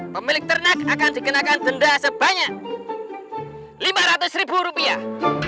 pemilik ternak akan dikenakan denda sebanyak lima ratus ribu rupiah